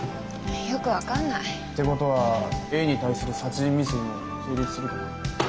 よく分かんない。ってことはＡに対する殺人未遂も成立するかな？